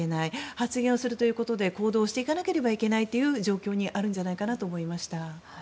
発言をするということで行動していかなければいけない状況にあるんじゃないかなと思いました。